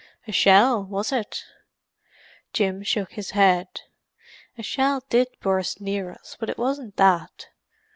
"A shell was it?" Jim shook his head. "A shell did burst near us, but it wasn't that.